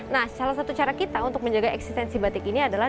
nah salah satu cara kita untuk menjaga eksistensi batik ini adalah